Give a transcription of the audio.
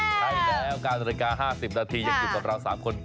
ได้แล้วการรายการ๕๐นาทียังอยู่กับเรา๓คน